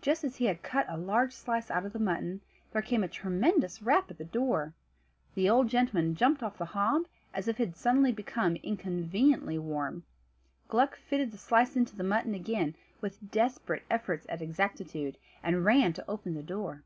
Just as he had cut a large slice out of the mutton there came a tremendous rap at the door. The old gentleman jumped off the hob, as if it had suddenly become inconveniently warm. Gluck fitted the slice into the mutton again, with desperate efforts at exactitude, and ran to open the door.